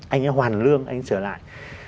anh ấy hoàn lương anh ấy trở lại